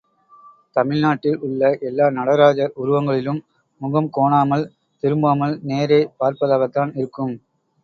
தமிழ்நாட்டில் உள்ள எல்லா நடராஜர் உருவங்களிலும் முகம் கோணாமல், திரும்பாமல் நேரே பார்ப்பதாகத்தான் இருக்கும்.